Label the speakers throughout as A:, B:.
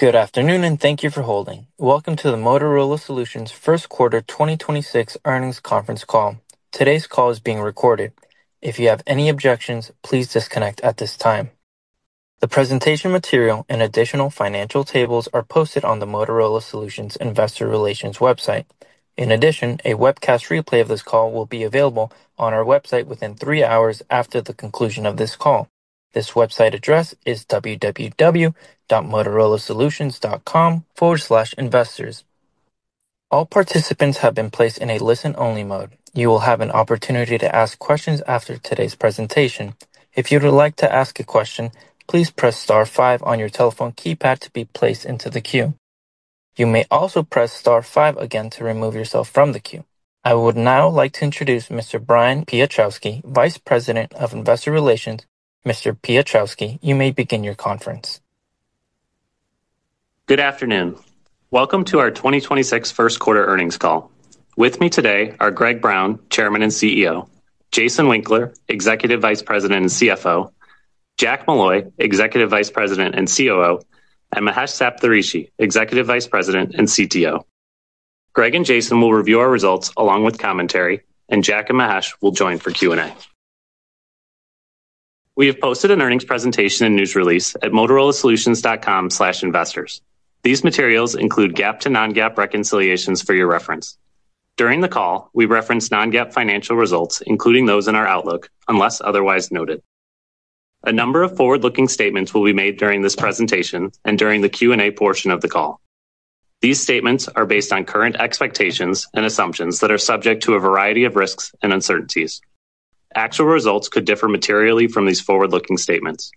A: Good afternoon and thank you for holding. Welcome to the Motorola Solutions First Quarter 2026 Earnings Conference Call. Today's call is being recorded. If you have any objections, please disconnect at this time. The presentation material and the additional financial tables are posted on the Motorola Solutions' investor relations website. In addition, a webcast replay of this call will be available on our website within three hours after the conclusion of this call. The website address is www.motorolasolutions.com/investors. All participants have been placed in a listen only mode. You will have an opportunity to ask questions after today's presentation. If you would like to ask a question please press star five in your telephone keypad to be placed into the queue. You may also press star five again to remove yourself from the queue. I would now like to introduce Mr. Brian Piotrowski, Vice President of Investor Relations. Mr. Piotrowski, you may begin your conference.
B: Good afternoon. Welcome to our 2026 first quarter earnings call. With me today are Greg Brown, Chairman and CEO, Jason Winkler, Executive Vice President and CFO, Jack Molloy, Executive Vice President and COO, and Mahesh Saptharishi, Executive Vice President and CTO. Greg and Jason will review our results along with commentary, and Jack and Mahesh will join for Q&A. We have posted an earnings presentation and news release at motorolasolutions.com/investors. These materials include GAAP to non-GAAP reconciliations for your reference. During the call, we reference non-GAAP financial results, including those in our outlook, unless otherwise noted. A number of forward-looking statements will be made during this presentation and during the Q&A portion of the call. These statements are based on current expectations and assumptions that are subject to a variety of risks and uncertainties. Actual results could differ materially from these forward-looking statements.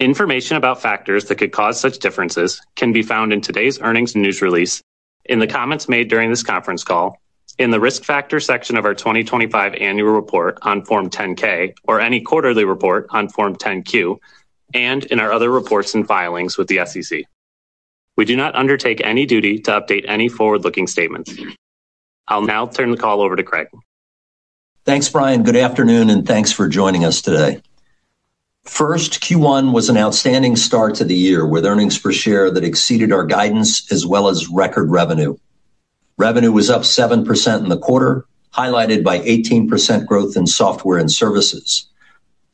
B: Information about factors that could cause such differences can be found in today's earnings news release, in the comments made during this conference call, in the Risk Factors section of our 2025 Annual Report on Form 10-K, or any quarterly report on Form 10-Q, and in our other reports and filings with the SEC. We do not undertake any duty to update any forward-looking statements. I'll now turn the call over to Greg.
C: Thanks, Brian. Good afternoon, and thanks for joining us today. First, Q1 was an outstanding start to the year, with earnings per share that exceeded our guidance as well as record revenue. Revenue was up 7% in the quarter, highlighted by 18% growth in Software and Services.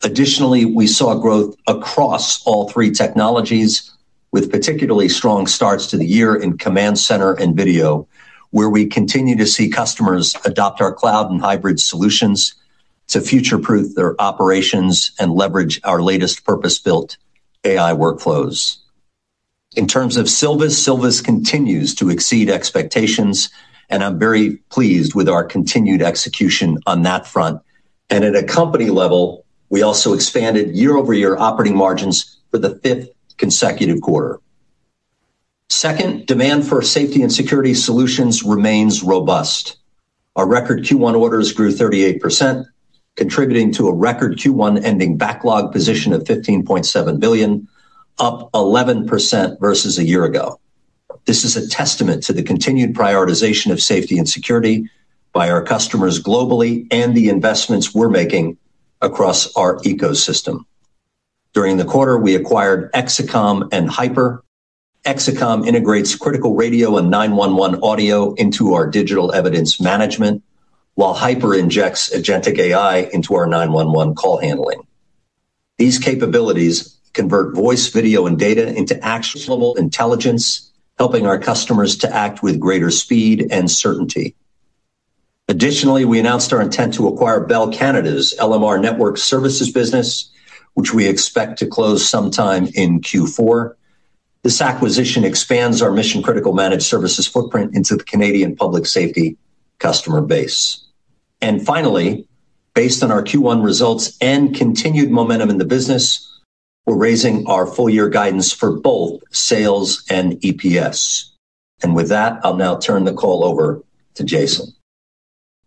C: Additionally, we saw growth across all three technologies, with particularly strong starts to the year in Command Center and Video, where we continue to see customers adopt our cloud and hybrid solutions to future-proof their operations and leverage our latest purpose-built AI workflows. In terms of Silvus continues to exceed expectations, and I'm very pleased with our continued execution on that front. At a company level, we also expanded year-over-year operating margins for the fifth consecutive quarter. Second, demand for Safety and Security solutions remains robust. Our record Q1 orders grew 38%, contributing to a record Q1 ending backlog position of $15.7 billion, up 11% versus a year ago. This is a testament to the continued prioritization of Safety and Security by our customers globally and the investments we're making across our ecosystem. During the quarter, we acquired Exacom and Hyper. Exacom integrates critical radio and 911 audio into our digital evidence management, while Hyper injects agentic AI into our 911 call handling. These capabilities convert voice, video, and data into actionable intelligence, helping our customers to act with greater speed and certainty. Additionally, we announced our intent to acquire Bell Canada's LMR Network Services business, which we expect to close sometime in Q4. This acquisition expands our mission-critical managed services footprint into the Canadian public safety customer base. Finally, based on our Q1 results and continued momentum in the business, we're raising our full year guidance for both sales and EPS. With that, I'll now turn the call over to Jason.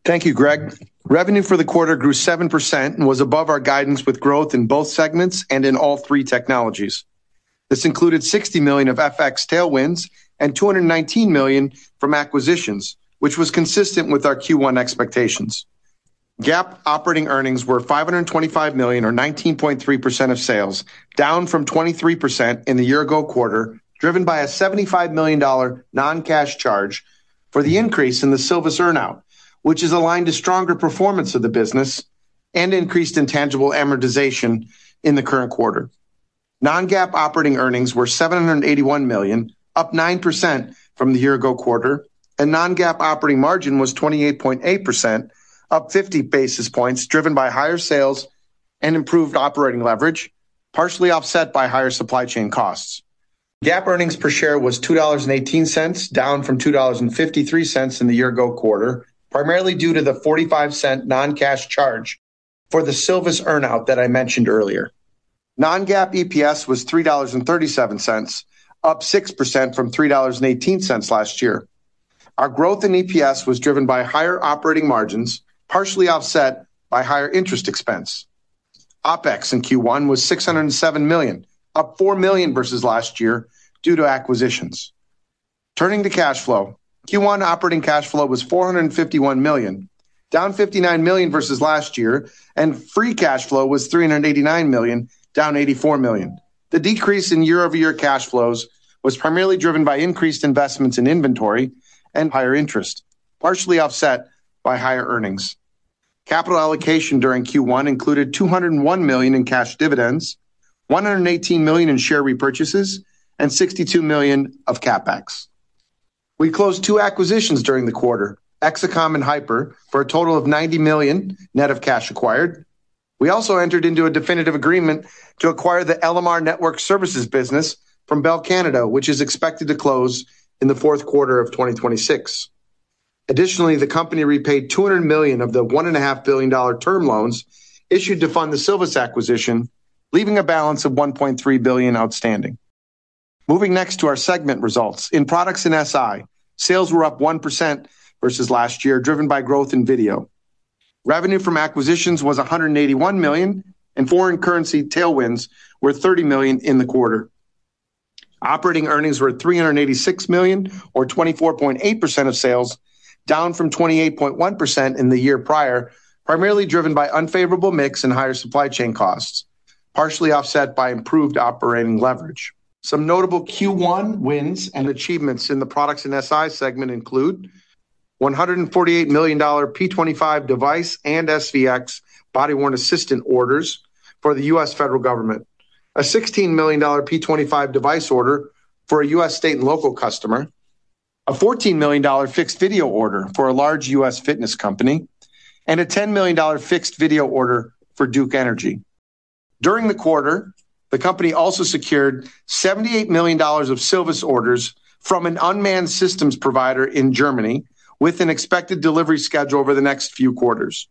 D: Thank you, Greg. Revenue for the quarter grew 7% and was above our guidance with growth in both segments and in all three technologies. This included $60 million of FX tailwinds and $219 million from acquisitions, which was consistent with our Q1 expectations. GAAP operating earnings were $525 million, or 19.3% of sales, down from 23% in the year ago quarter, driven by a $75 million non-cash charge for the increase in the Silvus earn-out, which is aligned to stronger performance of the business and increased intangible amortization in the current quarter. Non-GAAP operating earnings were $781 million, up 9% from the year ago quarter, and non-GAAP operating margin was 28.8%, up 50 basis points, driven by higher sales and improved operating leverage, partially offset by higher supply chain costs. GAAP earnings per share was $2.18, down from $2.53 in the year-ago quarter, primarily due to the $0.45 non-cash charge for the Silvus earn-out that I mentioned earlier. Non-GAAP EPS was $3.37, up 6% from $3.18 last year. Our growth in EPS was driven by higher operating margins, partially offset by higher interest expense. OpEx in Q1 was $607 million, up $4 million versus last year due to acquisitions. Turning to cash flow, Q1 operating cash flow was $451 million, down $59 million versus last year, and free cash flow was $389 million, down $84 million. The decrease in year-over-year cash flows was primarily driven by increased investments in inventory and higher interest, partially offset by higher earnings. Capital allocation during Q1 included $201 million in cash dividends, $118 million in share repurchases, and $62 million of CapEx. We closed two acquisitions during the quarter, Exacom and Hyper, for a total of $90 million net of cash acquired. We also entered into a definitive agreement to acquire the LMR Network Services business from Bell Canada, which is expected to close in the fourth quarter of 2026. Additionally, the company repaid $200 million of the $1.5 billion dollar term loans issued to fund the Silvus acquisition, leaving a balance of $1.3 billion outstanding. Moving next to our segment results. In Products and SI, sales were up 1% versus last year, driven by growth in Video. Revenue from acquisitions was $181 million, and foreign currency tailwinds were $30 million in the quarter. Operating earnings were $386 million or 24.8% of sales, down from 28.1% in the year prior, primarily driven by unfavorable mix and higher supply chain costs, partially offset by improved operating leverage. Some notable Q1 wins and achievements in the Products and SI segment include $148 million P25 device and SVX body-worn assistant orders for the U.S. federal government, a $16 million P25 device order for a U.S. state and local customer, a $14 million fixed video order for a large U.S. fitness company, and a $10 million fixed video order for Duke Energy. During the quarter, the company also secured $78 million of Silvus orders from an unmanned systems provider in Germany with an expected delivery schedule over the next few quarters.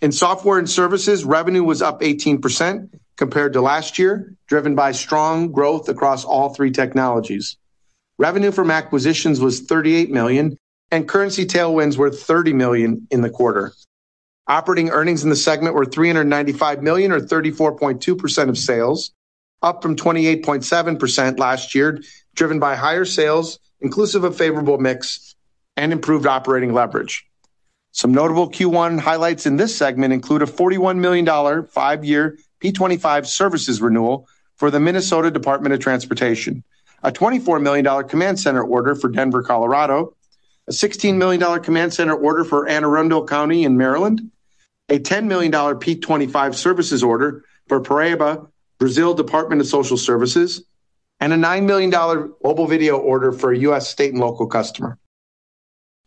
D: In Software and Services, revenue was up 18% compared to last year, driven by strong growth across all three technologies. Revenue from acquisitions was $38 million, and currency tailwinds were $30 million in the quarter. Operating earnings in the segment were $395 million or 34.2% of sales, up from 28.7% last year, driven by higher sales, inclusive of favorable mix and improved operating leverage. Some notable Q1 highlights in this segment include a $41 million five-year P25 services renewal for the Minnesota Department of Transportation, a $24 million Command Center order for Denver, Colorado, a $16 million Command Center order for Anne Arundel County in Maryland, a $10 million P25 services order for Paraíba, Brazil Department of Social Services, and a $9 million mobile video order for a U.S. state and local customer.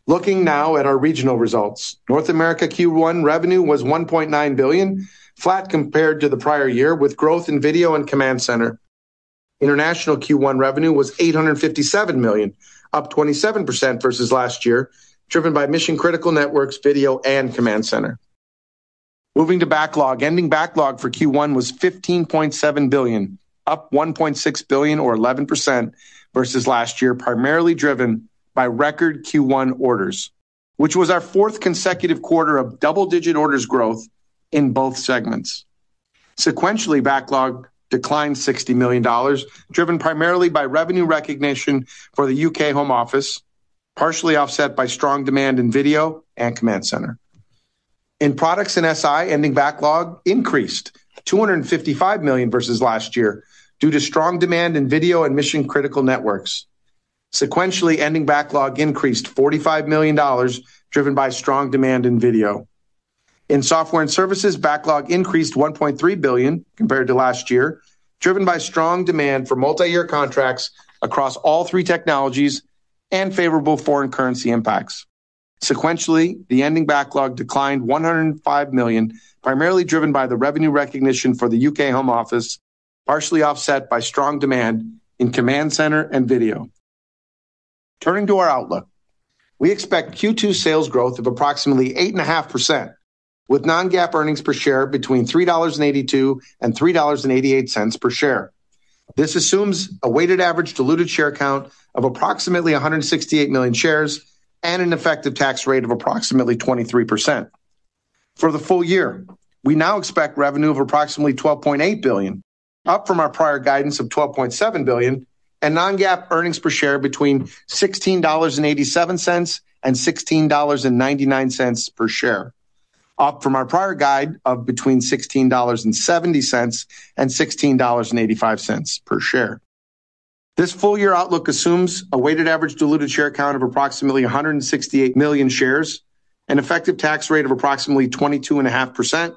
D: Looking now at our regional results. North America Q1 revenue was $1.9 billion, flat compared to the prior year, with growth in Video and Command Center. International Q1 revenue was $857 million, up 27% versus last year, driven by Mission Critical Networks, Video, and Command Center. Moving to backlog. Ending backlog for Q1 was $15.7 billion, up $1.6 billion or 11% versus last year, primarily driven by record Q1 orders, which was our fourth consecutive quarter of double-digit orders growth in both segments. Sequentially, backlog declined $60 million, driven primarily by revenue recognition for the U.K. Home Office, partially offset by strong demand in Video and Command Center. In Products and SI, ending backlog increased $255 million versus last year due to strong demand in Video and Mission Critical Networks. Sequentially, ending backlog increased $45 million, driven by strong demand in Video. In Software and Services, backlog increased $1.3 billion compared to last year, driven by strong demand for multi-year contracts across all three technologies and favorable foreign currency impacts. Sequentially, the ending backlog declined $105 million, primarily driven by the revenue recognition for the U.K. Home Office, partially offset by strong demand in Command Center and Video. Turning to our outlook. We expect Q2 sales growth of approximately 8.5%, with non-GAAP earnings per share between $3.82 and $3.88 per share. This assumes a weighted average diluted share count of approximately 168 million shares and an effective tax rate of approximately 23%. For the full year, we now expect revenue of approximately $12.8 billion, up from our prior guidance of $12.7 billion, and non-GAAP earnings per share between $16.87 and $16.99 per share, up from our prior guide of between $16.70 and $16.85 per share. This full year outlook assumes a weighted average diluted share count of approximately 168 million shares, an effective tax rate of approximately 22.5%,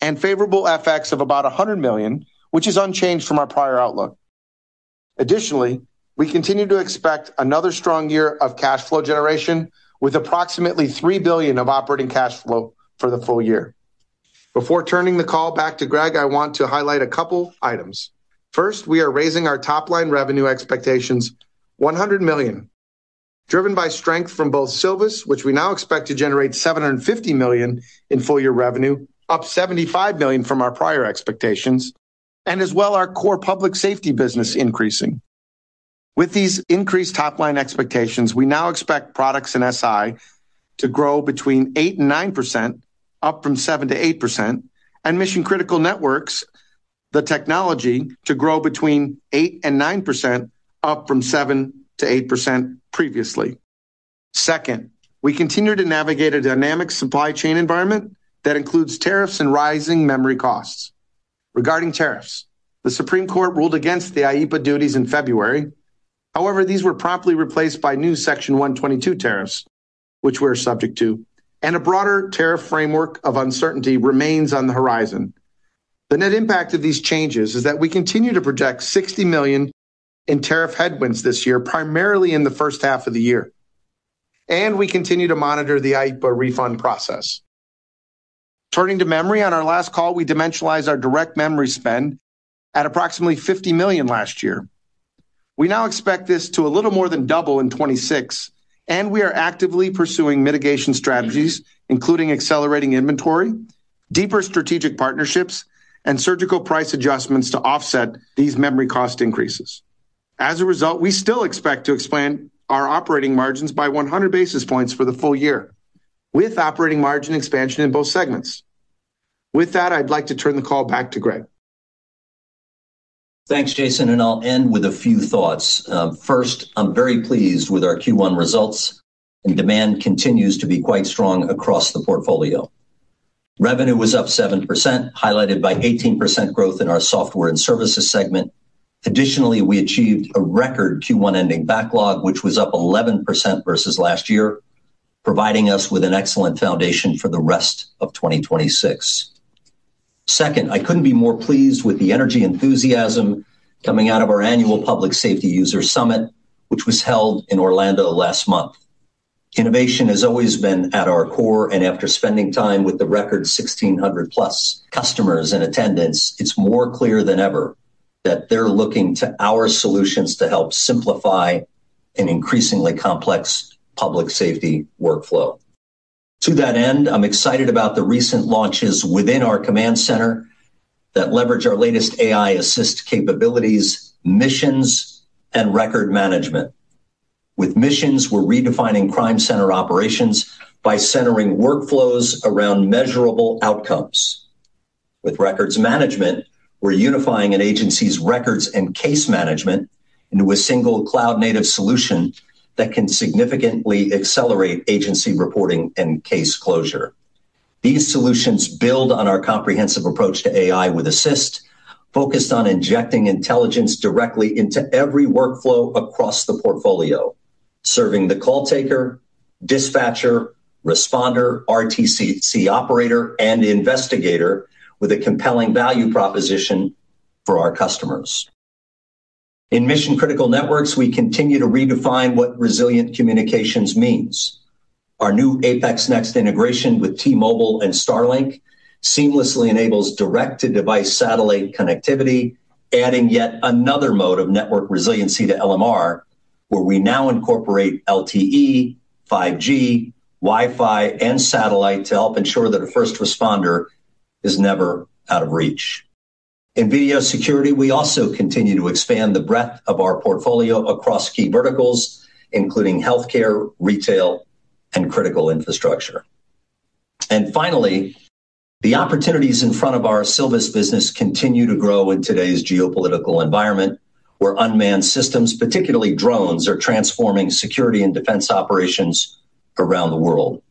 D: and favorable FX of about $100 million, which is unchanged from our prior outlook. Additionally, we continue to expect another strong year of cash flow generation with approximately $3 billion of operating cash flow for the full year. Before turning the call back to Greg, I want to highlight a couple items. First, we are raising our top-line revenue expectations, $100 million, driven by strength from both Silvus, which we now expect to generate $750 million in full year revenue, up $75 million from our prior expectations, and as well our core Public Safety business increasing. With these increased top-line expectations, we now expect Products and SI to grow between 8% and 9%, up from 7% to 8%, and Mission Critical Networks, the technology to grow between 8% and 9% up from 7% to 8% previously. Second, we continue to navigate a dynamic supply chain environment that includes tariffs and rising memory costs. Regarding tariffs, the Supreme Court ruled against the IEEPA duties in February. However, these were promptly replaced by new Section 122 tariffs, which we're subject to, and a broader tariff framework of uncertainty remains on the horizon. The net impact of these changes is that we continue to project $60 million in tariff headwinds this year, primarily in the first half of the year. We continue to monitor the IEEPA refund process. Turning to memory, on our last call, we dimensionalized our direct memory spend at approximately $50 million last year. We now expect this to a little more than double in 2026, and we are actively pursuing mitigation strategies, including accelerating inventory, deeper strategic partnerships, and surgical price adjustments to offset these memory cost increases. As a result, we still expect to expand our operating margins by 100 basis points for the full year, with operating margin expansion in both segments. With that, I'd like to turn the call back to Greg.
C: Thanks, Jason, and I'll end with a few thoughts. First, I'm very pleased with our Q1 results, and demand continues to be quite strong across the portfolio. Revenue was up 7%, highlighted by 18% growth in our Software and Services segment. Additionally, we achieved a record Q1 ending backlog, which was up 11% versus last year, providing us with an excellent foundation for the rest of 2026. Second, I couldn't be more pleased with the energy enthusiasm coming out of our annual Public Safety User Summit, which was held in Orlando last month. Innovation has always been at our core, and after spending time with the record 1,600+ customers in attendance, it's more clear than ever that they're looking to our solutions to help simplify an increasingly complex public safety workflow. To that end, I'm excited about the recent launches within our Command Center that leverage our latest AI Assist capabilities, missions, and record management. With missions, we're redefining crime center operations by centering workflows around measurable outcomes. With records management, we're unifying an agency's records and case management into a single cloud-native solution that can significantly accelerate agency reporting and case closure. These solutions build on our comprehensive approach to AI with Assist, focused on injecting intelligence directly into every workflow across the portfolio, serving the call taker, dispatcher, responder, RTCC operator, and investigator with a compelling value proposition for our customers. In Mission Critical Networks, we continue to redefine what resilient communications means. Our new APX NEXT integration with T-Mobile and Starlink seamlessly enables direct-to-device satellite connectivity, adding yet another mode of network resiliency to LMR, where we now incorporate LTE, 5G, Wi-Fi, and satellite to help ensure that a first responder is never out of reach. In Video Security, we also continue to expand the breadth of our portfolio across key verticals, including healthcare, retail, and critical infrastructure. Finally, the opportunities in front of our Silvus business continue to grow in today's geopolitical environment, where unmanned systems, particularly drones, are transforming security and defense operations around the world.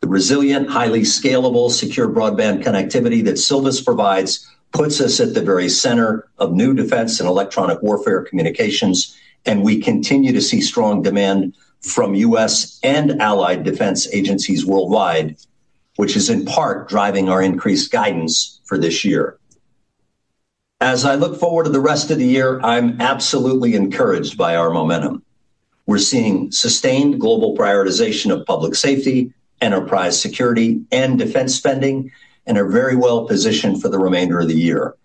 C: The resilient, highly scalable, secure broadband connectivity that Silvus provides puts us at the very center of new defense and electronic warfare communications, and we continue to see strong demand from U.S. and allied defense agencies worldwide, which is in part driving our increased guidance for this year. As I look forward to the rest of the year, I'm absolutely encouraged by our momentum. We're seeing sustained global prioritization of public safety, enterprise security, and defense spending, and are very well positioned for the remainder of the year.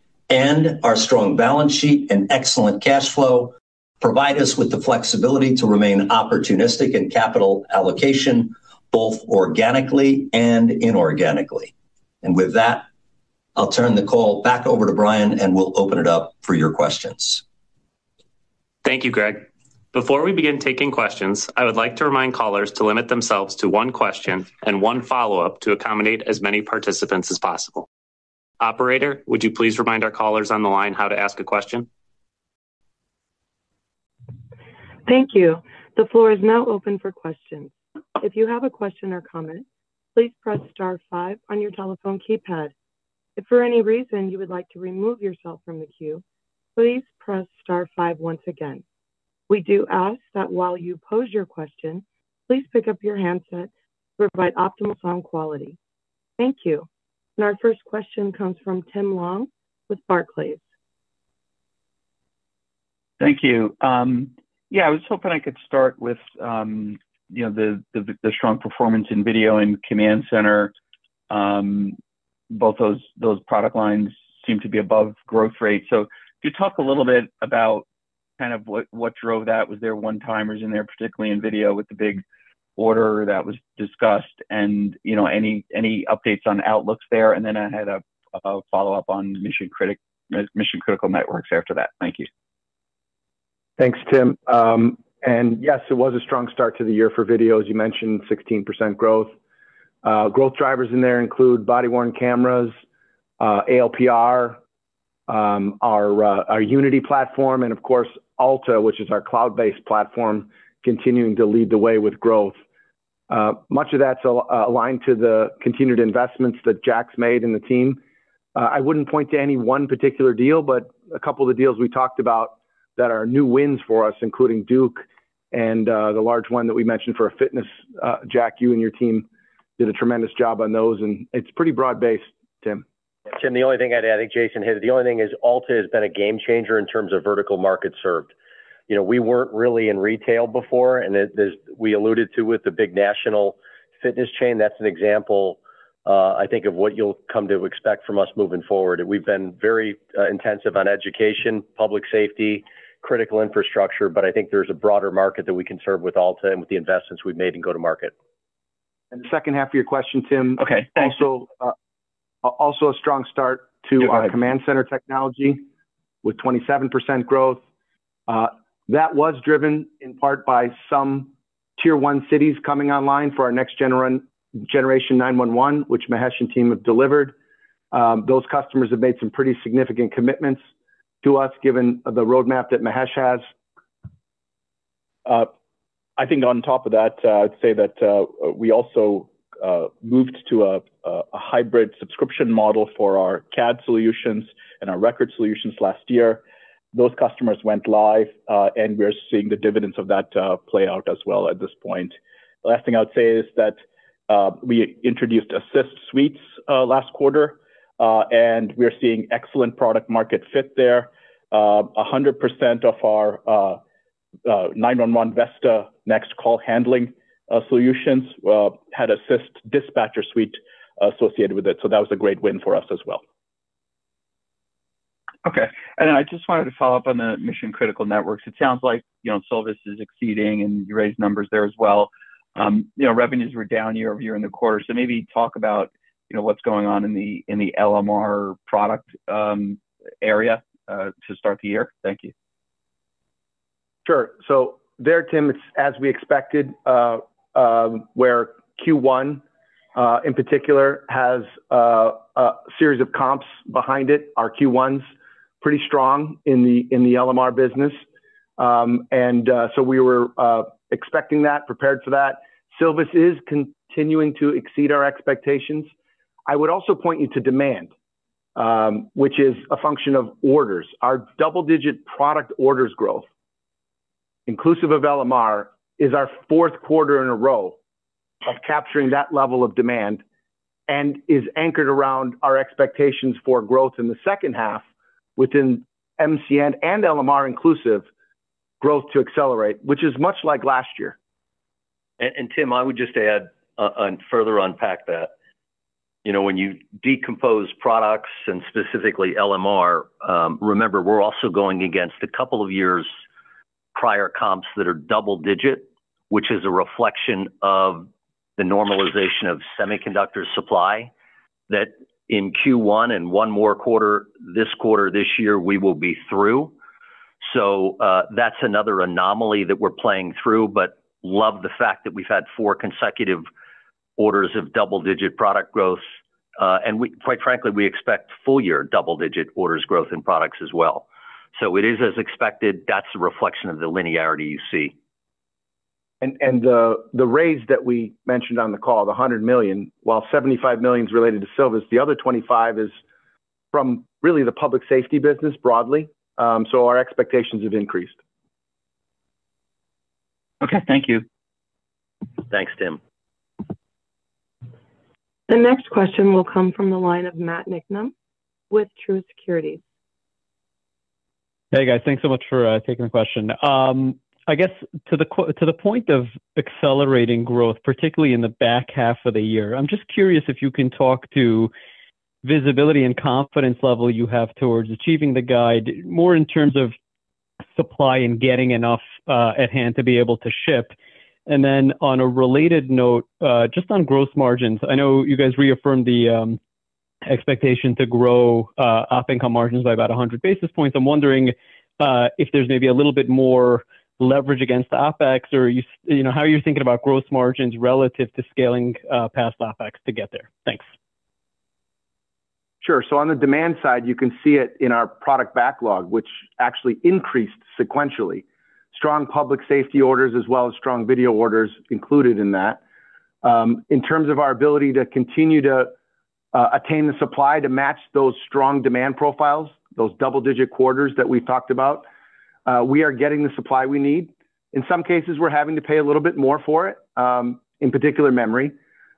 C: Our strong balance sheet and excellent cash flow provide us with the flexibility to remain opportunistic in capital allocation, both organically and inorganically. With that, I'll turn the call back over to Brian, and we'll open it up for your questions.
B: Thank you, Greg. Before we begin taking questions, I would like to remind callers to limit themselves to one question and one follow-up to accommodate as many participants as possible. Operator, would you please remind our callers on the line how to ask a question?
A: Thank you. The floor is now open for questions. If you have a question or comment, please press star five on your telephone keypad. If for any reason you would like to remove yourself from the queue, please press star five once again. We do ask that while you pose your question, please pick up your handset to provide optimal sound quality. Thank you. Our first question comes from Tim Long with Barclays.
E: Thank you. Yeah, I was hoping I could start with, you know, the strong performance in Video and Command Center. Both those product lines seem to be above growth rate. Could you talk a little bit about kind of what drove that? Was there one-timers in there, particularly in Video with the big order that was discussed? You know, any updates on outlooks there? Then I had a follow-up on Mission Critical Networks after that. Thank you.
D: Thanks, Tim. Yes, it was a strong start to the year for Video. As you mentioned, 16% growth. Growth drivers in there include body-worn cameras, ALPR, our Unity platform, and of course Alta, which is our cloud-based platform continuing to lead the way with growth. Much of that's aligned to the continued investments that Jack's made in the team. I wouldn't point to any one particular deal, but a couple of the deals we talked about that are new wins for us, including Duke and the large one that we mentioned for fitness. Jack, you and your team did a tremendous job on those, it's pretty broad-based, Tim.
F: Tim, the only thing I'd add, I think Jason hit it. The only thing is Alta has been a game changer in terms of vertical market served. You know, we weren't really in retail before, and as we alluded to with the big national fitness chain, that's an example, I think of what you'll come to expect from us moving forward. We've been very intensive on education, public safety, critical infrastructure, but I think there's a broader market that we can serve with Alta and with the investments we've made and go to market.
D: The second half of your question, Tim.
E: Okay, thanks—
D: Also, also a strong start to—
E: Go ahead.
D: —our Command Center technology with 27% growth. That was driven in part by some Tier 1 cities coming online for our next-generation 911, which Mahesh and team have delivered. Those customers have made some pretty significant commitments to us given the roadmap that Mahesh has.
G: I think on top of that, I'd say that we also moved to a hybrid subscription model for our CAD solutions and our record solutions last year. Those customers went live, and we're seeing the dividends of that play out as well at this point. The last thing I would say is that we introduced Assist Suites last quarter, and we're seeing excellent product market fit there. 100% of our 911 VESTA NXT call handling solutions had Assist Dispatcher Suite associated with it. That was a great win for us as well.
E: Okay. I just wanted to follow up on the Mission Critical Networks. It sounds like, you know, Silvus is exceeding, and you raised numbers there as well. You know, revenues were down year-over-year in the quarter. Maybe talk about, you know, what's going on in the LMR product area to start the year. Thank you.
D: Sure. There, Tim, it's as we expected, where Q1 in particular has a series of comps behind it. Our Q1's pretty strong in the LMR business. We were expecting that, prepared for that. Silvus is continuing to exceed our expectations. I would also point you to demand, which is a function of orders. Our double-digit product orders growth, inclusive of LMR, is our fourth quarter in a row of capturing that level of demand and is anchored around our expectations for growth in the second half within MCN and LMR inclusive growth to accelerate, which is much like last year.
F: Tim, I would just add and further unpack that. You know, when you decompose Products and specifically LMR, remember, we're also going against a couple of years prior comps that are double-digit, which is a reflection of the normalization of semiconductor supply. That in Q1 and one more quarter, this quarter, this year, we will be through. That's another anomaly that we're playing through, but love the fact that we've had four consecutive orders of double-digit Products growth. Quite frankly, we expect full-year double-digit orders growth in Products as well. It is as expected. That's a reflection of the linearity you see.
D: The raise that we mentioned on the call, the $100 million, while $75 million is related to Silvus, the other $25 million is from really the Public Safety business broadly. Our expectations have increased.
E: Okay. Thank you.
F: Thanks, Tim.
A: The next question will come from the line of Matt Niknam with Truist Securities.
H: Hey, guys. Thanks so much for taking the question. I guess to the point of accelerating growth, particularly in the back half of the year, I'm just curious if you can talk to visibility and confidence level you have towards achieving the guide, more in terms of supply and getting enough at hand to be able to ship. Then on a related note, just on growth margins. I know you guys reaffirmed the expectation to grow op income margins by about 100 basis points. I'm wondering if there's maybe a little bit more leverage against the OpEx or you know, how are you thinking about growth margins relative to scaling past OpEx to get there? Thanks.
D: Sure. On the demand side, you can see it in our product backlog, which actually increased sequentially. Strong public safety orders as well as strong video orders included in that. In terms of our ability to continue to attain the supply to match those strong demand profiles, those double-digit quarters that we've talked about, we are getting the supply we need. In some cases, we're having to pay a little bit more for it, in particular memory.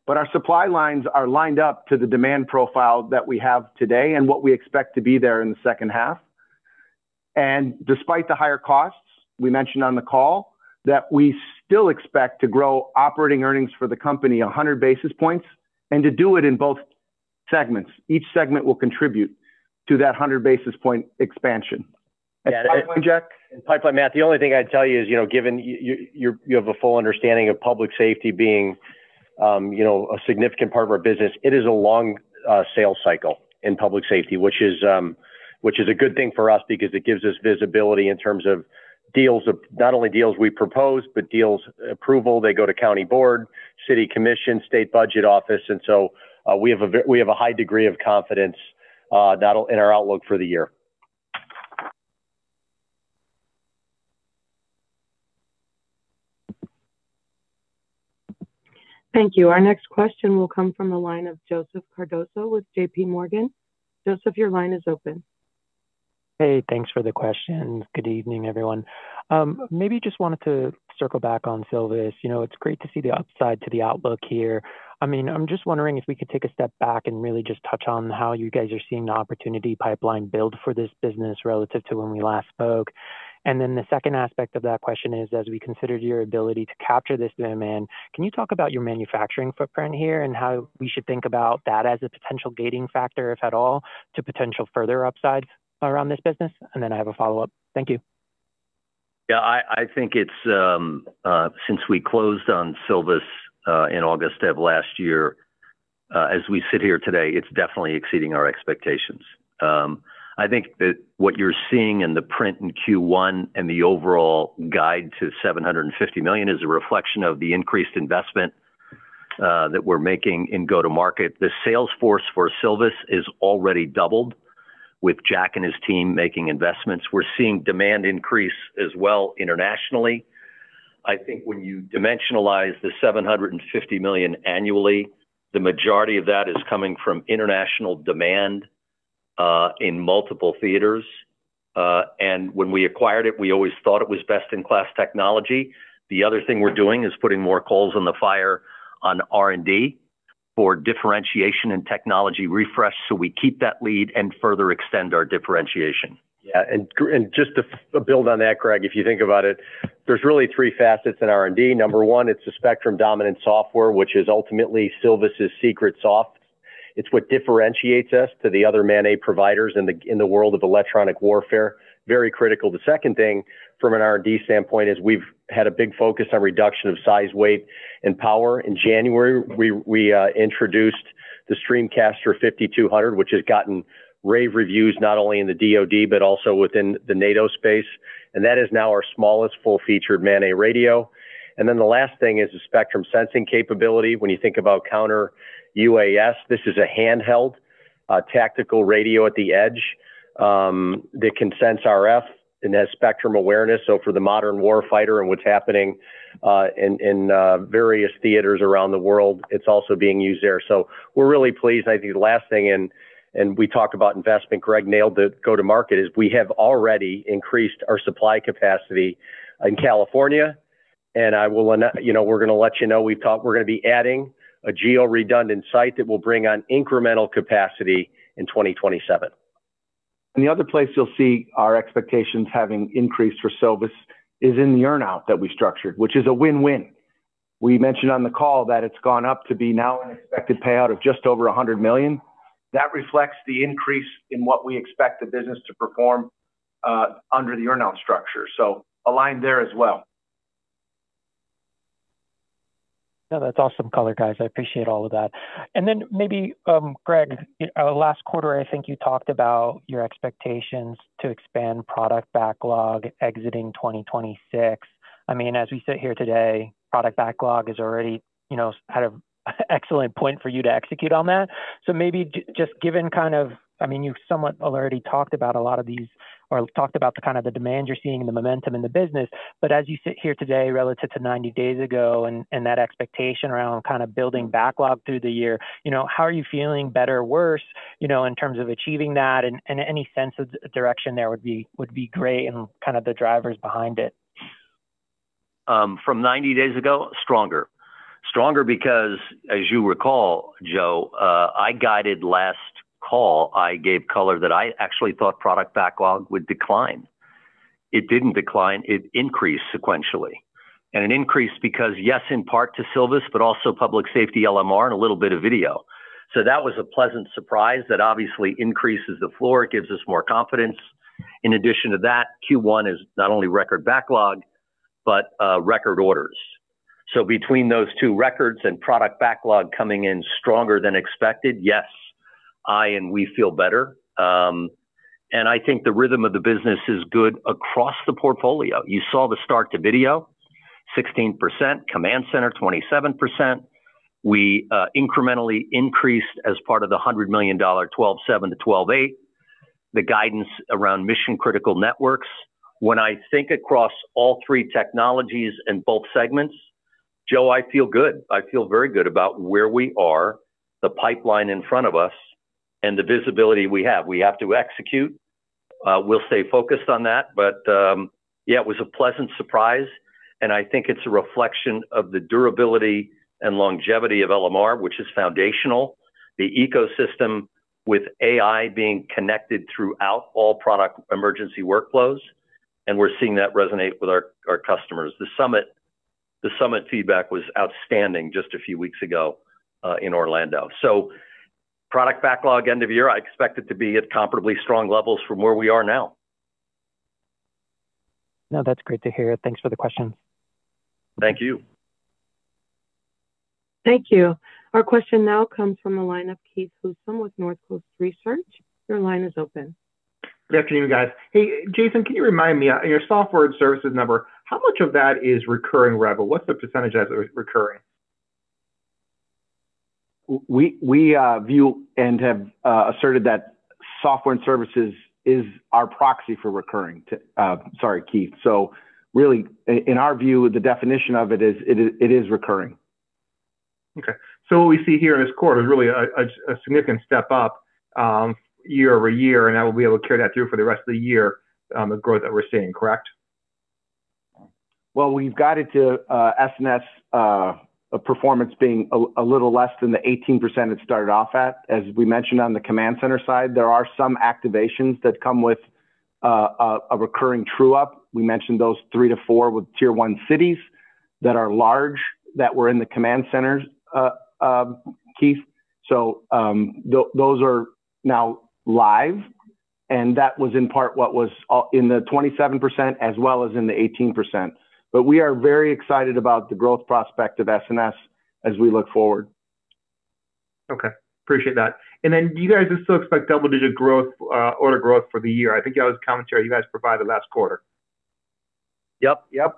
D: Our supply lines are lined up to the demand profile that we have today and what we expect to be there in the second half. Despite the higher costs, we mentioned on the call that we still expect to grow operating earnings for the company 100 basis points and to do it in both segments. Each segment will contribute to that 100 basis point expansion.
F: Yeah.
D: Pipeline, Jack?
F: Pipeline, Matt, the only thing I'd tell you is, you know, given you have a full understanding of public safety being, you know, a significant part of our business, it is a long sales cycle in public safety, which is a good thing for us because it gives us visibility in terms of deals of not only deals we propose, but deals approval. They go to county board, city commission, state budget office. So, we have a high degree of confidence that'll, in our outlook for the year.
A: Thank you. Our next question will come from the line of Joseph Cardoso with JPMorgan. Joseph, your line is open.
I: Hey, thanks for the question. Good evening, everyone. Maybe just wanted to circle back on Silvus. You know, it's great to see the upside to the outlook here. I mean, I'm just wondering if we could take a step back and really just touch on how you guys are seeing the opportunity pipeline build for this business relative to when we last spoke. The second aspect of that question is, as we considered your ability to capture this demand, can you talk about your manufacturing footprint here and how we should think about that as a potential gating factor, if at all, to potential further upside around this business? I have a follow-up. Thank you.
C: Yeah, I think it's, since we closed on Silvus in August of last year, as we sit here today, it's definitely exceeding our expectations. I think that what you're seeing in the print in Q1 and the overall guide to $750 million is a reflection of the increased investment that we're making in go-to-market. The sales force for Silvus is already doubled with Jack and his team making investments. We're seeing demand increase as well internationally. I think when you dimensionalize the $750 million annually, the majority of that is coming from international demand in multiple theaters. When we acquired it, we always thought it was best-in-class technology. The other thing we're doing is putting more coals on the fire on R&D for differentiation and technology refresh, so we keep that lead and further extend our differentiation.
F: Yeah, and just to build on that, Greg, if you think about it, there's really three facets in R&D. Number one, it's a spectrum-dominant software, which is ultimately Silvus' secret sauce. It's what differentiates us to the other MANET providers in the world of electronic warfare, very critical. The second thing from an R&D standpoint is we've had a big focus on reduction of size, weight, and power. In January, we introduced the StreamCaster 5200, which has gotten rave reviews not only in the DoD but also within the NATO space, and that is now our smallest full-featured MANET radio. Then the last thing is the spectrum sensing capability. When you think about counter-UAS, this is a handheld tactical radio at the edge that can sense RF and has spectrum awareness. For the modern war fighter and what's happening in various theaters around the world, it's also being used there. We're really pleased. I think the last thing, we talked about investment, Greg nailed the go-to-market, is we have already increased our supply capacity in California. I will you know, we're gonna let you know, we've talked, we're gonna be adding a geo-redundant site that will bring on incremental capacity in 2027.
D: The other place you'll see our expectations having increased for Silvus is in the earn-out that we structured, which is a win-win. We mentioned on the call that it's gone up to be now an expected payout of just over $100 million. That reflects the increase in what we expect the business to perform under the earn-out structure, so aligned there as well.
I: No, that's awesome color, guys. I appreciate all of that. Then maybe, Greg, last quarter, I think you talked about your expectations to expand product backlog exiting 2026. I mean, as we sit here today, product backlog is already, you know, at a excellent point for you to execute on that. Maybe just given kind of, I mean, you've somewhat already talked about a lot of these or talked about the kind of the demand you're seeing and the momentum in the business. As you sit here today relative to 90-days ago and that expectation around kind of building backlog through the year, you know, how are you feeling, better or worse, you know, in terms of achieving that? Any sense of direction there would be great and kind of the drivers behind it.
C: From 90-days ago, stronger. Stronger because, as you recall, Joe, I guided last call, I gave color that I actually thought product backlog would decline. It didn't decline, it increased sequentially. It increased because, yes, in part to Silvus, but also public safety LMR and a little bit of Video. That was a pleasant surprise that obviously increases the floor, gives us more confidence. In addition to that, Q1 is not only record backlog but record orders. Between those two records and product backlog coming in stronger than expected, yes, I and we feel better. I think the rhythm of the business is good across the portfolio. You saw the start to Video, 16%, Command Center, 27%. We incrementally increased as part of the $100 million, $12.7 billion to $12.8 billion, the guidance around Mission Critical Networks. When I think across all three technologies and both segments, Joe, I feel good. I feel very good about where we are, the pipeline in front of us, and the visibility we have. We have to execute. We'll stay focused on that. Yeah, it was a pleasant surprise, and I think it's a reflection of the durability and longevity of LMR, which is foundational. The ecosystem with AI being connected throughout all product emergency workflows, and we're seeing that resonate with our customers. The Summit feedback was outstanding just a few weeks ago in Orlando. Product backlog end of year, I expect it to be at comparably strong levels from where we are now.
I: No, that's great to hear. Thanks for the questions.
C: Thank you.
A: Thank you. Our question now comes from the line of Keith Housum with Northcoast Research. Your line is open.
J: Good afternoon, guys. Hey, Jason, can you remind me, your Software and Services number, how much of that is recurring rev? What's the percentage as a recurring?
D: We view and have asserted that Software and Services is our proxy for recurring. Sorry, Keith. Really, in our view, the definition of it is, it is recurring.
J: Okay. What we see here in this quarter is really a significant step up year-over-year, and that will be able to carry that through for the rest of the year, the growth that we're seeing, correct?
D: Well, we've got it to S&S performance being a little less than the 18% it started off at. As we mentioned on the Command Center side, there are some activations that come with a recurring true up. We mentioned those three to four with Tier 1 cities that are large, that were in the Command Center, Keith. Those are now live, and that was in part what was in the 27% as well as in the 18%. We are very excited about the growth prospect of S&S as we look forward.
J: Okay. Appreciate that. Do you guys still expect double-digit growth, order growth for the year? I think that was commentary you guys provided last quarter.
D: Yep. Yep.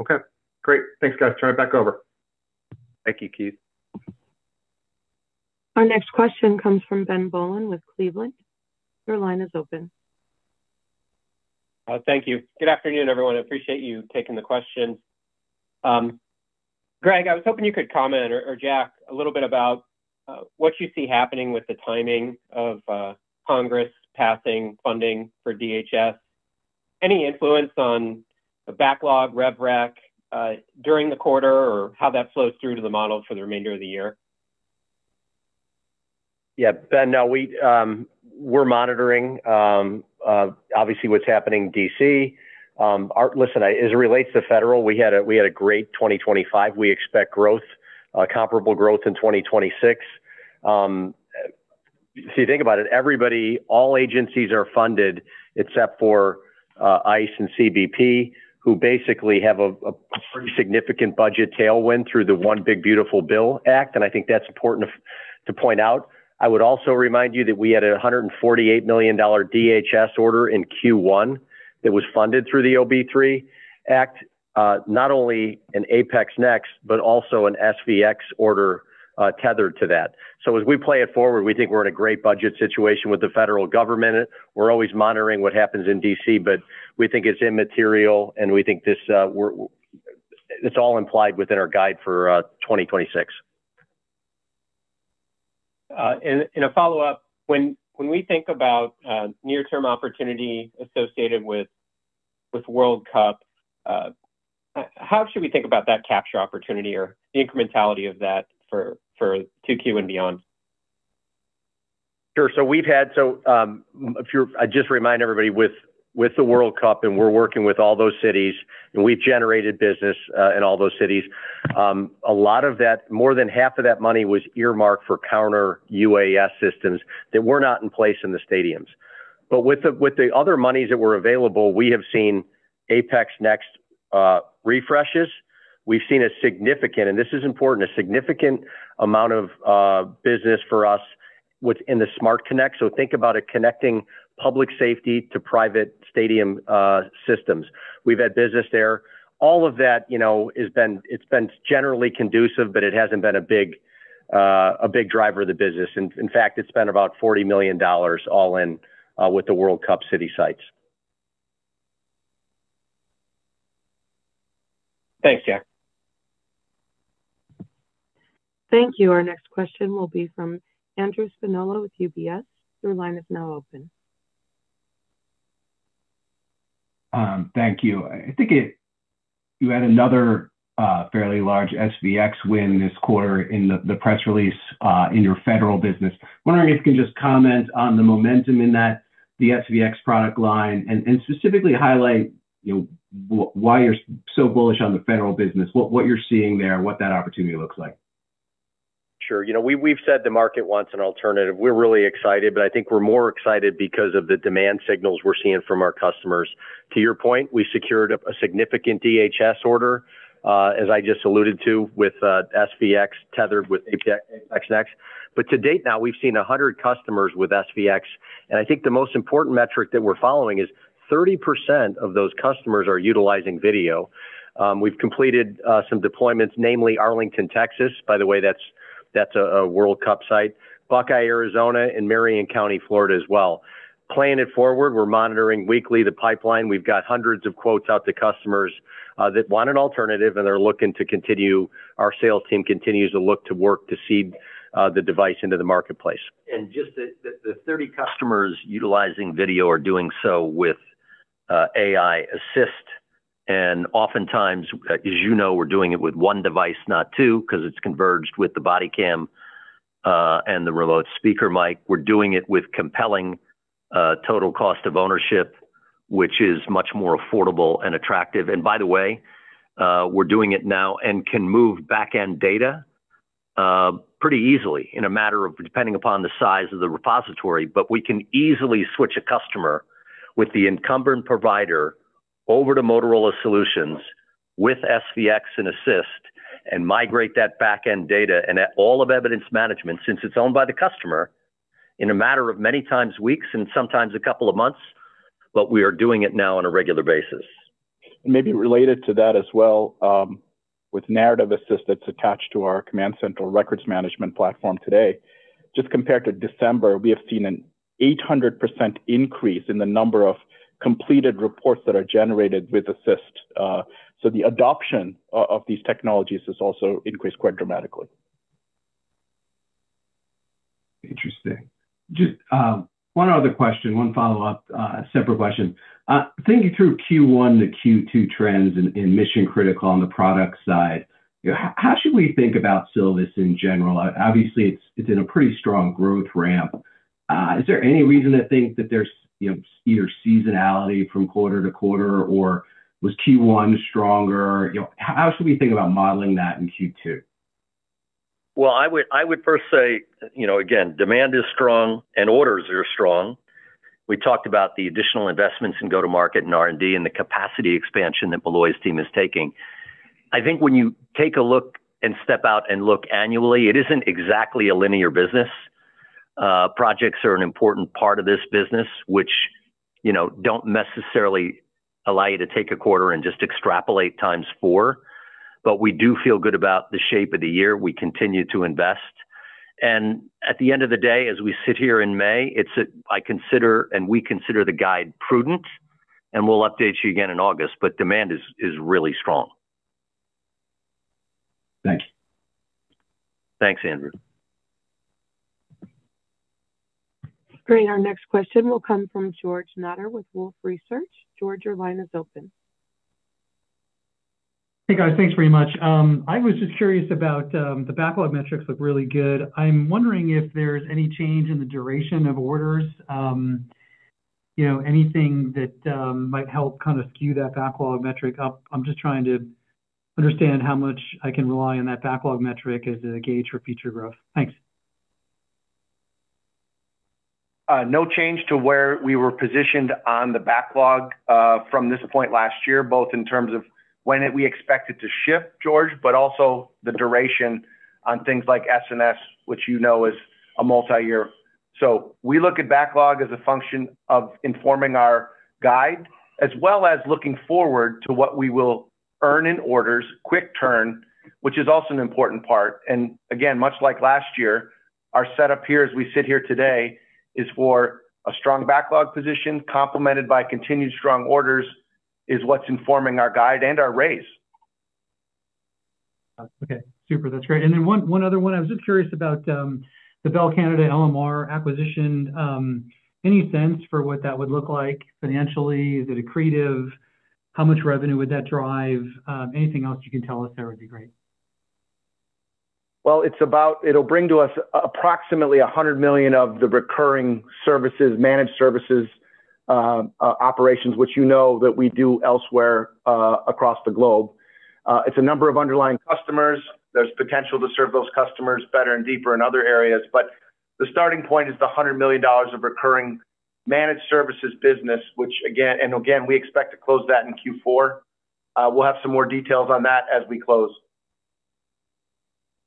J: Okay. Great. Thanks, guys. Turn it back over.
D: Thank you, Keith.
A: Our next question comes from Ben Bollin with Cleveland. Your line is open.
K: Thank you. Good afternoon, everyone. I appreciate you taking the questions. Greg, I was hoping you could comment, or Jack, a little bit about what you see happening with the timing of Congress passing funding for DHS. Any influence on the backlog rev rec during the quarter or how that flows through to the model for the remainder of the year?
F: Yeah, Ben. No, we are monitoring obviously what's happening in D.C. Our Listen, as it relates to federal, we had a great 2025. We expect growth, comparable growth in 2026. You think about it, everybody, all agencies are funded except for ICE and CBP, who basically have a pretty significant budget tailwind through the One Big Beautiful Bill Act, and I think that's important to point out. I would also remind you that we had a $148 million DHS order in Q1 that was funded through the OBBB Act, not only an APX NEXT, but also an SVX order tethered to that. As we play it forward, we think we are in a great budget situation with the federal government. We're always monitoring what happens in D.C., but we think it's immaterial, and we think this, It's all implied within our guide for 2026.
K: A follow-up. When we think about near-term opportunity associated with World Cup, how should we think about that capture opportunity or the incrementality of that for 2Q and beyond?
F: Sure. We've had I'd just remind everybody with the World Cup, we're working with all those cities, we've generated business in all those cities. A lot of that, more than half of that money was earmarked for counter-UAS systems that were not in place in the stadiums. With the other monies that were available, we have seen APX NEXT refreshes. We've seen a significant, this is important, a significant amount of business for us within the SmartConnect. Think about it connecting public safety to private stadium systems. We've had business there. All of that has been generally conducive, it hasn't been a big driver of the business. In fact, it's been about $40 million all in, with the World Cup city sites.
K: Thanks, Jack.
A: Thank you. Our next question will be from Andrew Spinola with UBS. Your line is now open.
L: Thank you. I think you had another fairly large SVX win this quarter in the press release in your federal business. Wondering if you can just comment on the momentum in that, the SVX product line, and specifically highlight, you know, why you're so bullish on the federal business, what you're seeing there, and what that opportunity looks like?
F: Sure. You know, we've said the market wants an alternative. We're really excited, but I think we're more excited because of the demand signals we're seeing from our customers. To your point, we secured a significant DHS order, as I just alluded to with SVX tethered with APX NEXT. To date now, we've seen 100 customers with SVX, and I think the most important metric that we're following is 30% of those customers are utilizing Video. We've completed some deployments, namely Arlington, Texas. By the way, that's a World Cup site. Buckeye, Arizona, and Marion County, Florida as well. Playing it forward, we're monitoring weekly the pipeline. We've got hundreds of quotes out to customers that want an alternative, and they're looking to continue. Our sales team continues to look to work to seed the device into the marketplace. Just the 30 customers utilizing Video are doing so with AI Assist. Oftentimes, as you know, we're doing it with one device, not two, 'cause it's converged with the body cam and the remote speaker mic. We're doing it with compelling total cost of ownership, which is much more affordable and attractive. By the way, we're doing it now and can move back-end data pretty easily in a matter of depending upon the size of the repository. We can easily switch a customer with the incumbent provider over to Motorola Solutions with SVX and Assist and migrate that back-end data and all of evidence management, since it's owned by the customer, in a matter of many times weeks and sometimes a couple of months. We are doing it now on a regular basis.
G: Maybe related to that as well, with Narrative Assist that's attached to our Command Center records management platform today, just compared to December, we have seen an 800% increase in the number of completed reports that are generated with Assist. The adoption of these technologies has also increased quite dramatically.
L: Interesting. Just one other question, one follow-up, separate question. Thinking through Q1 to Q2 trends in Mission Critical on the product side, you know, how should we think about Silvus in general? Obviously, it's in a pretty strong growth ramp. Is there any reason to think that there's, you know, either seasonality from quarter to quarter, or was Q1 stronger? You know, how should we think about modeling that in Q2?
C: Well, I would first say, you know, again, demand is strong and orders are strong. We talked about the additional investments in go-to-market and R&D and the capacity expansion that Malloy's team is taking. I think when you take a look and step out and look annually, it isn't exactly a linear business. Projects are an important part of this business, which, you know, don't necessarily allow you to take a quarter and just extrapolate times four. We do feel good about the shape of the year. We continue to invest. At the end of the day, as we sit here in May, it's I consider, and we consider the guide prudent, and we'll update you again in August. Demand is really strong.
L: Thanks.
C: Thanks, Andrew.
A: Great. Our next question will come from George Notter with Wolfe Research. George, your line is open.
M: Hey, guys. Thanks very much. I was just curious about, the backlog metrics look really good. I'm wondering if there's any change in the duration of orders, you know, anything that might help kind of skew that backlog metric up. I'm just trying to understand how much I can rely on that backlog metric as a gauge for future growth. Thanks.
D: No change to where we were positioned on the backlog, from this point last year, both in terms of when we expect it to shift, George, but also the duration on things like S&S, which you know is a multi-year. We look at backlog as a function of informing our guide, as well as looking forward to what we will earn in orders, quick turn, which is also an important part. Again, much like last year, our setup here as we sit here today is for a strong backlog position complemented by continued strong orders, is what's informing our guide and our raise.
M: Okay. Super. That's great. One other one. I was just curious about the Bell Canada LMR acquisition. Any sense for what that would look like financially? Is it accretive? How much revenue would that drive? Anything else you can tell us there would be great.
D: Well, it'll bring to us approximately $100 million of the recurring services, managed services, operations, which you know that we do elsewhere, across the globe. It's a number of underlying customers. There's potential to serve those customers better and deeper in other areas. The starting point is the $100 million of recurring Managed Services business, which again, we expect to close that in Q4. We'll have some more details on that as we close.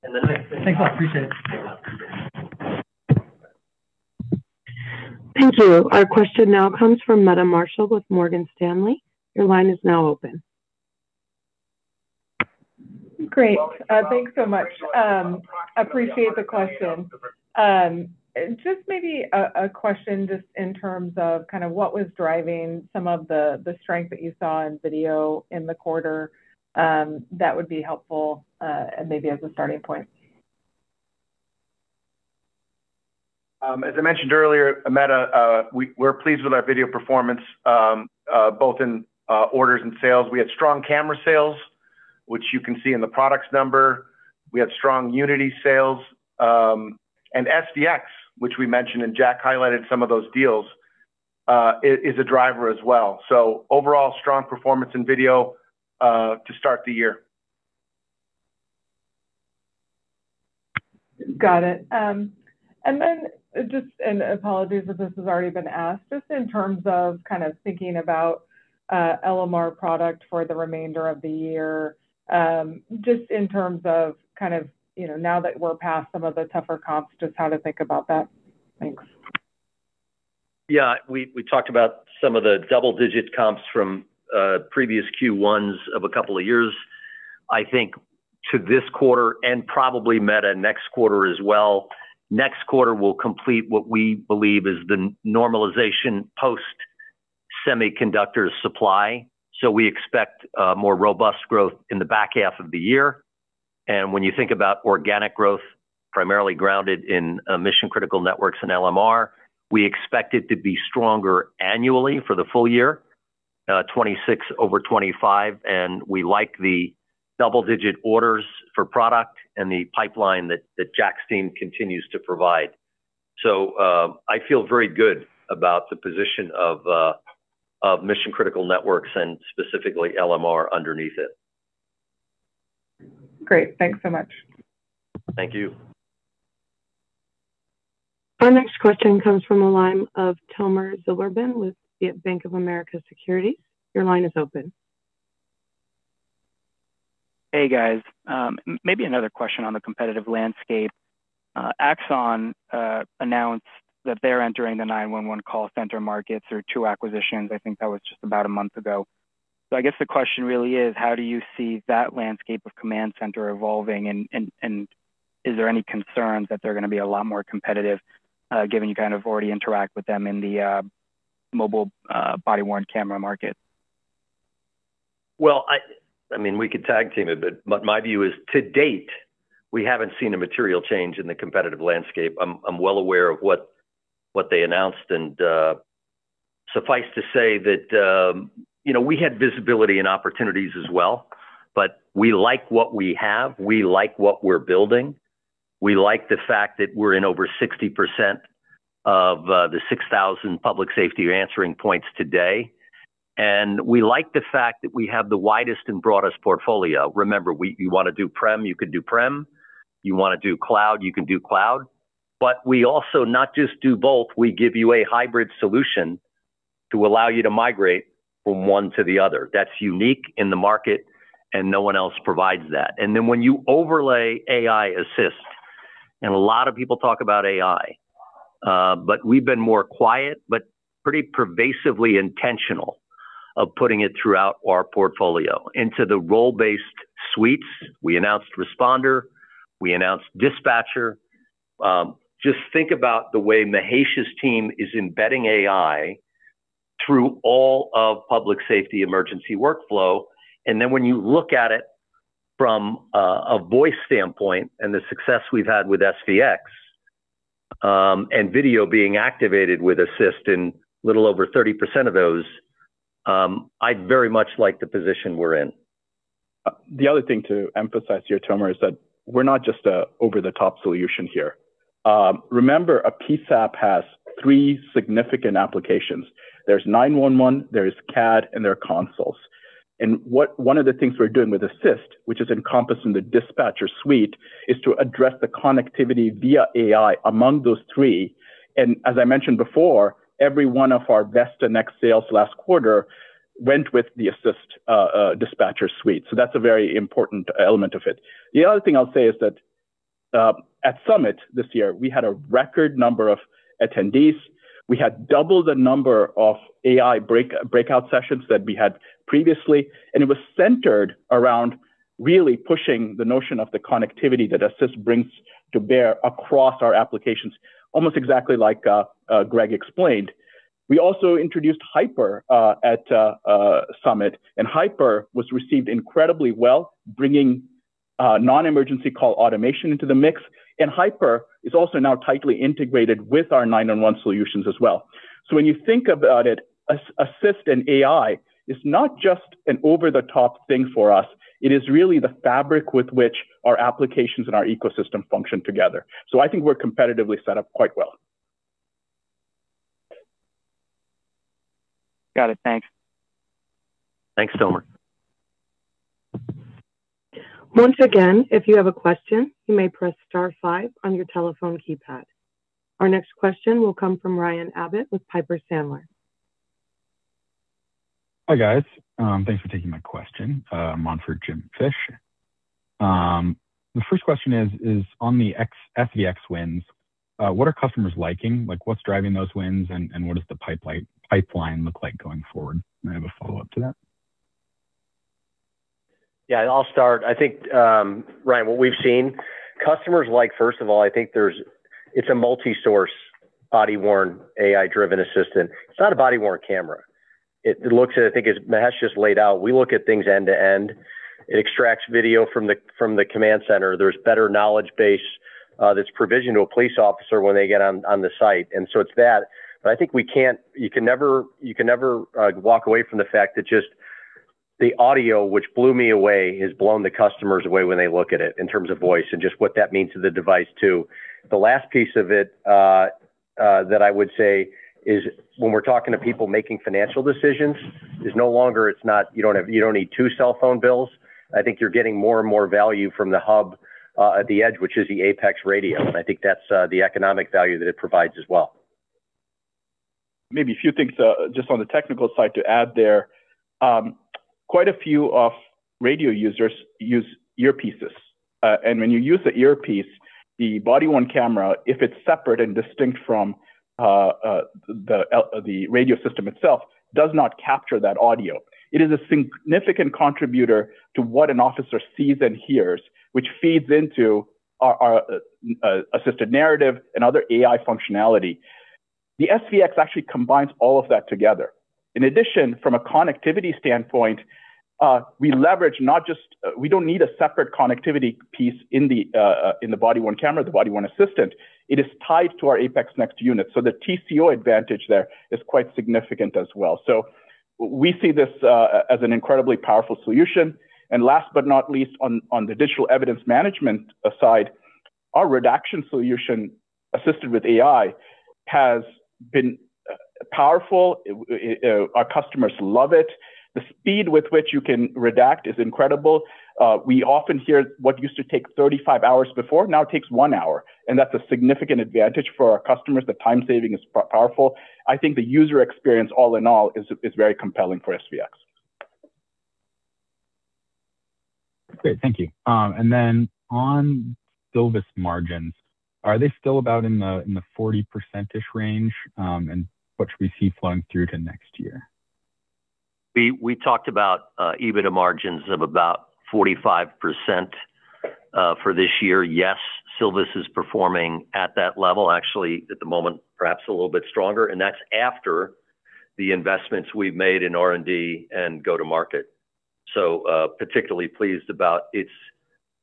M: Thanks. Appreciate it.
A: Thank you. Our question now comes from Meta Marshall with Morgan Stanley. Your line is now open.
N: Great. thanks so much. appreciate the question. Just maybe a question just in terms of kind of what was driving some of the strength that you saw in Video in the quarter, that would be helpful, and maybe as a starting point.
D: As I mentioned earlier, Meta, we're pleased with our video performance, both in orders and sales. We had strong camera sales, which you can see in the products number. We had strong Unity sales. SVX, which we mentioned, and Jack highlighted some of those deals, is a driver as well. Overall strong performance in video to start the year.
N: Got it. Then just, apologies if this has already been asked, just in terms of kind of thinking about LMR product for the remainder of the year, just in terms of kind of, you know, now that we're past some of the tougher comps, just how to think about that. Thanks.
C: Yeah. We talked about some of the double-digit comps from previous Q1s of a couple of years. I think to this quarter and probably, Meta, next quarter as well, next quarter will complete what we believe is the normalization post semiconductors supply. We expect more robust growth in the back half of the year. And when you think about organic growth, primarily grounded in Mission Critical Networks and LMR, we expect it to be stronger annually for the full year 2026 over 2025, and we like the double-digit orders for product and the pipeline that Jack's team continues to provide. I feel very good about the position of Mission Critical Networks and specifically LMR underneath it.
N: Great. Thanks so much.
C: Thank you.
A: Our next question comes from the line of Tomer Zilberman with Bank of America Securities. Your line is open.
O: Hey, guys. Maybe another question on the competitive landscape. Axon announced that they're entering the 911 call center markets through two acquisitions. I think that was just about a month ago. I guess the question really is: How do you see that landscape of Command Center evolving? And is there any concerns that they're gonna be a lot more competitive given you kind of already interact with them in the mobile body-worn camera market?
C: Well, I mean, we could tag team it, but my view is, to date, we haven't seen a material change in the competitive landscape. I'm well aware of what they announced, and, suffice to say that, you know, we had visibility and opportunities as well, but we like what we have. We like what we're building. We like the fact that we're in over 60% of the 6,000 public safety answering points today. We like the fact that we have the widest and broadest portfolio. Remember, we you wanna do prem, you can do prem. You wanna do cloud, you can do cloud. We also not just do both, we give you a hybrid solution to allow you to migrate from one to the other. That's unique in the market, and no one else provides that. When you overlay AI Assist, a lot of people talk about AI, but we've been more quiet, but pretty pervasively intentional of putting it throughout our portfolio into the role-based suites. We announced Responder. We announced Dispatcher. Just think about the way Mahesh's team is embedding AI through all of public safety emergency workflow. When you look at it from a voice standpoint and the success we've had with SVX, and Video being activated with Assist in a little over 30% of those, I very much like the position we're in.
G: The other thing to emphasize here, Tomer, is that we're not just a over-the-top solution here. Remember, a PSAP has three significant applications. There's 911, there's CAD, and there are consoles. One of the things we're doing with Assist, which is encompassed in the Dispatcher Suite, is to address the connectivity via AI among those three. As I mentioned before, every one of our VESTA NXT sales last quarter went with the Assist Dispatcher Suite. That's a very important element of it. The other thing I'll say is that, at Summit this year, we had a record number of attendees. We had double the number of AI breakout sessions that we had previously. It was centered around really pushing the notion of the connectivity that Assist brings to bear across our applications, almost exactly like Greg explained. We also introduced Hyper at Summit. Hyper was received incredibly well, bringing non-emergency call automation into the mix. Hyper is also now tightly integrated with our 911 solutions as well. When you think about it, Assist and AI is not just an over-the-top thing for us. It is really the fabric with which our applications and our ecosystem function together. I think we're competitively set up quite well.
O: Got it. Thanks.
C: Thanks, Tomer.
A: Once again if you have a question, you may press star five on your telephone keypad. Our next question will come from Ryan Abbott with Piper Sandler.
P: Hi, guys. Thanks for taking my question. One for Jim Fish. The first question is on the SVX wins, what are customers liking? Like, what's driving those wins, and what does the pipeline look like going forward? I have a follow-up to that.
F: Yeah, I'll start. I think, Ryan, what we've seen, customers like, first of all, I think it's a multi-source body-worn AI-driven assistant. It's not a body-worn camera. It looks at, I think as Mahesh just laid out, we look at things end to end. It extracts video from the Command Center. There's better knowledge base that's provisioned to a police officer when they get on the site. It's that, I think you can never walk away from the fact that just the audio, which blew me away, has blown the customers away when they look at it in terms of voice and just what that means to the device too. The last piece of it, that I would say is when we're talking to people making financial decisions, it's no longer, it's not you don't need two cell phone bills. I think you're getting more and more value from the hub at the edge, which is the APX NEXT radio. I think that's the economic value that it provides as well.
G: Maybe a few things just on the technical side to add there. Quite a few of radio users use earpieces. And when you use the earpiece, the body-worn camera, if it's separate and distinct from the radio system itself, does not capture that audio. It is a significant contributor to what an officer sees and hears, which feeds into our assisted narrative and other AI functionality. The SVX actually combines all of that together. In addition, from a connectivity standpoint, we don't need a separate connectivity piece in the body-worn camera, the body-worn assistant. It is tied to our APX NEXT unit. The TCO advantage there is quite significant as well. We see this as an incredibly powerful solution. Last but not least, on the digital evidence management aside, our redaction solution assisted with AI has been powerful. Our customers love it. The speed with which you can redact is incredible. We often hear what used to take 35-hours before now takes one hour, and that's a significant advantage for our customers. The time saving is powerful. I think the user experience all in all is very compelling for SVX.
P: Great. Thank you. On Silvus margins, are they still about in the, in the 40%-ish range? What should we see flowing through to next year?
C: We talked about EBITDA margins of about 45% for this year. Yes, Silvus is performing at that level, actually at the moment, perhaps a little bit stronger, and that's after the investments we've made in R&D and go to market. Particularly pleased about its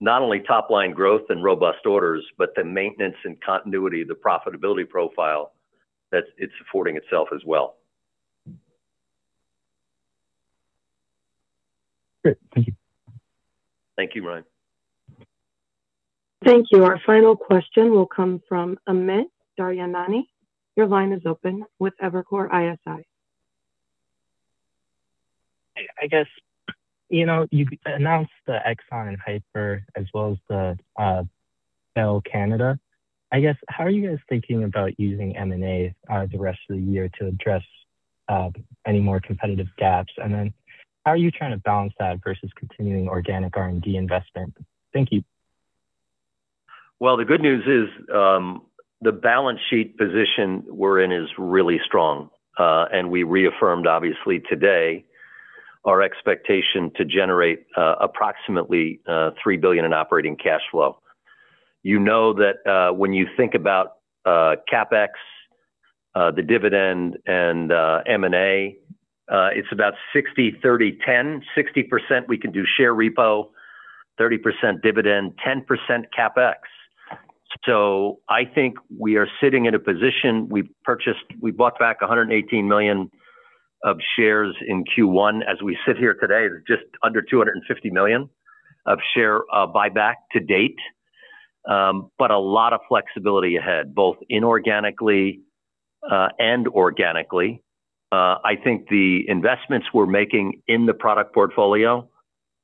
C: not only top-line growth and robust orders, but the maintenance and continuity of the profitability profile that it's supporting itself as well.
P: Great. Thank you.
C: Thank you, Ryan.
A: Thank you. Our final question will come from Amit Daryanani. Your line is open with Evercore ISI.
Q: I guess, you know, you announced the Exacom and Hyper as well as the Bell Canada. I guess, how are you guys thinking about using M&A the rest of the year to address any more competitive gaps? How are you trying to balance that versus continuing organic R&D investment? Thank you.
C: The good news is, the balance sheet position we're in is really strong. We reaffirmed obviously today our expectation to generate, approximately, $3 billion in operating cash flow. You know that, when you think about CapEx, the dividend and M&A, it's about 60%, 30%, 10%. 60% we can do share repo, 30% dividend, 10% CapEx. I think we are sitting in a position. We bought back 118 million of shares in Q1. As we sit here today, there's just under 250 million of share buyback to date. A lot of flexibility ahead, both inorganically and organically. I think the investments we're making in the product portfolio,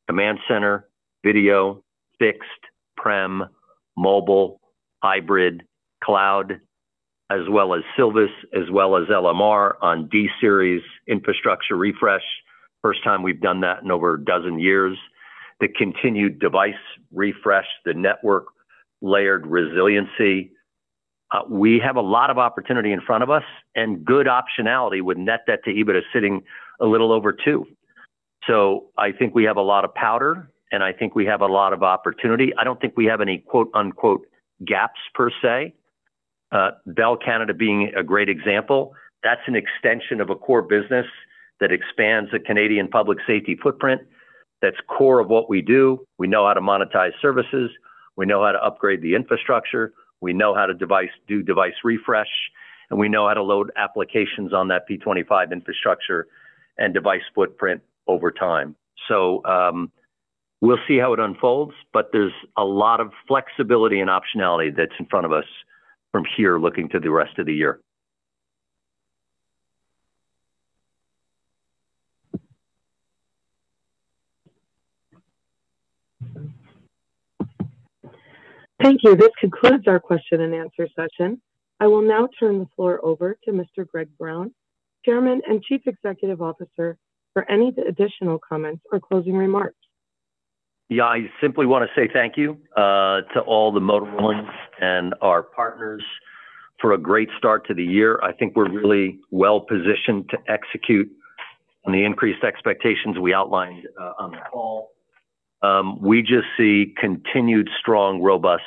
C: Command Center, Video, fixed, prem, mobile, hybrid, cloud, as well as Silvus, as well as LMR on D-Series infrastructure refresh. First time we've done that in over 12 years. The continued device refresh, the network layered resiliency. We have a lot of opportunity in front of us and good optionality with net debt to EBITDA sitting a little over 2x. I think we have a lot of powder, and I think we have a lot of opportunity. I don't think we have any, quote-unquote, "gaps" per se. Bell Canada being a great example. That's an extension of a core business that expands the Canadian public safety footprint. That's core of what we do. We know how to monetize services. We know how to upgrade the infrastructure. We know how to do device refresh, and we know how to load applications on that P25 infrastructure and device footprint over time. We'll see how it unfolds, but there's a lot of flexibility and optionality that's in front of us from here looking to the rest of the year.
A: Thank you. This concludes our question-and-answer session. I will now turn the floor over to Mr. Greg Brown, Chairman and Chief Executive Officer, for any additional comments or closing remarks.
C: I simply wanna say thank you to all the Motorola Solutions and our partners for a great start to the year. I think we're really well-positioned to execute on the increased expectations we outlined on the call. We just see continued strong, robust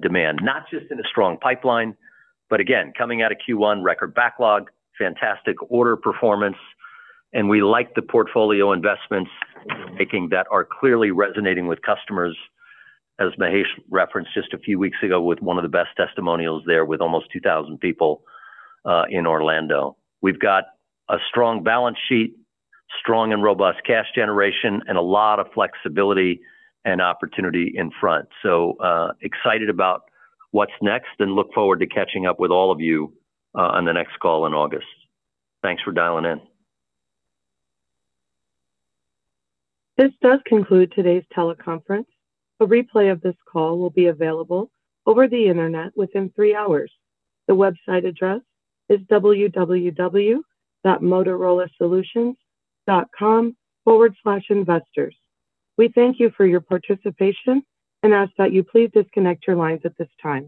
C: demand, not just in a strong pipeline, but again, coming out of Q1, record backlog, fantastic order performance. We like the portfolio investments we're making that are clearly resonating with customers, as Mahesh referenced just a few weeks ago, with one of the best testimonials there with almost 2,000 people in Orlando. We've got a strong balance sheet, strong and robust cash generation, and a lot of flexibility and opportunity in front. Excited about what's next and look forward to catching up with all of you on the next call in August. Thanks for dialing in.
A: This does conclude today's teleconference. A replay of this call will be available over the Internet within three hours. The website address is www.motorolasolutions.com/investors. We thank you for your participation and ask that you please disconnect your lines at this time.